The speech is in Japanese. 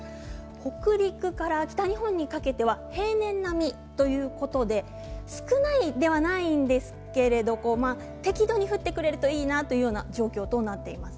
北陸から北日本にかけては平年並みということで少ないではないんですが適度に降ってくれるといいなというような状況になっています。